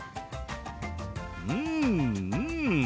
うんうん！